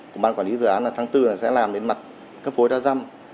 cũng bàn quản lý dự án là tháng bốn này sẽ làm đến mặt cấp phối đa dâm